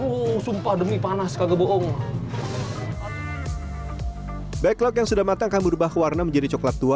oh sumpah demi panas kagak bohong backlog yang sudah matang akan berubah warna menjadi coklat tua